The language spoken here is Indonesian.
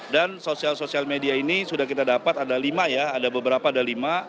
dan sosial sosial media ini sudah kita dapat ada lima ya ada beberapa ada lima